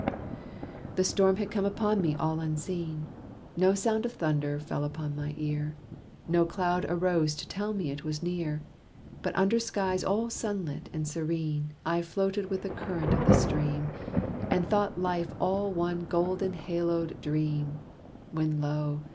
The storm had come upon me all unseen: No sound of thunder fell upon my ear; No cloud arose to tell me it was near; But under skies all sunlit, and serene, I floated with the current of the stream, And thought life all one golden haloed dream. When lo!